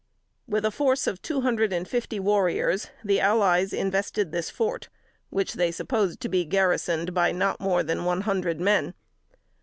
With a force of two hundred and fifty warriors the allies invested this fort, which they supposed to be garrisoned by not more than one hundred men.